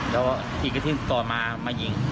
แล้วอีกอาทิตย์ต่อมามายิง